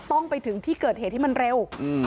ต้องไปถึงที่เกิดเหตุให้มันเร็ว